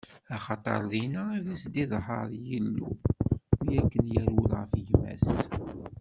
Axaṭer dinna i s-d-iḍher Yillu, mi akken yerwel ɣef gma-s.